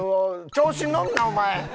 調子に乗んなお前！